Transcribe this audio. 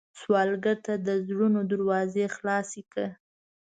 سوالګر ته د زړونو دروازې خلاصې کړه